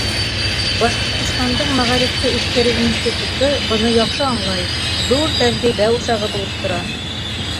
Башҡортостандың мәғарифты үҫтереү институты быны яҡшы аңлай, ҙур тәжрибә усағы булып тора.